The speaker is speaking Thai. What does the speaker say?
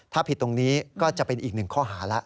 ถ้าผิดตรงนี้ก็จะเป็นอีกหนึ่งข้อหาแล้ว